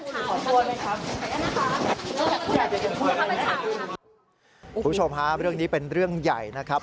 คุณผู้ชมฮะเรื่องนี้เป็นเรื่องใหญ่นะครับ